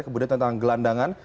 kemudian tentang gelandangan